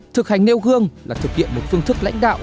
thực hành nêu gương là thực hiện một phương thức lãnh đạo